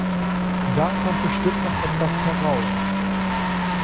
Da kommt bestimmt noch etwas heraus.